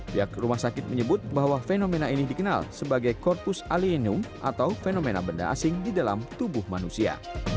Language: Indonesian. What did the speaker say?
pihak rumah sakit menyebut bahwa fenomena ini dikenal sebagai korpus alienum atau fenomena benda asing di dalam tubuh manusia